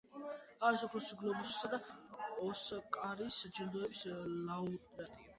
არის ოქროს გლობუსისა და ოსკარის ჯილდოების ლაურეატი.